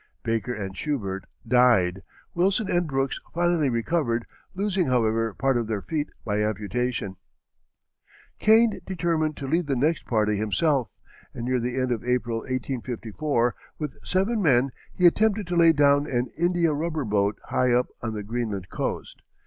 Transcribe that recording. Baker and Schubert died; Wilson and Brooks finally recovered, losing, however, part of their feet by amputation. [Illustration: Esquimau Boys Fishing.] Kane determined to lead the next party himself, and near the end of April, 1854, with seven men he attempted to lay down an india rubber boat high up on the Greenland coast.